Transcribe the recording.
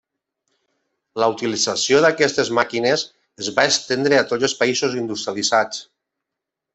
La utilització d'aquestes màquines es va estendre a tots els països industrialitzats.